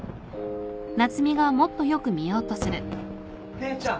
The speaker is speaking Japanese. ・・姉ちゃん！